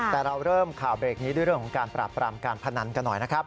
แต่เราเริ่มข่าวเบรกนี้ด้วยเรื่องของการปราบปรามการพนันกันหน่อยนะครับ